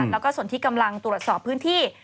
แล้วก็ส่วนที่กำลังตรวจสอบพื้นที่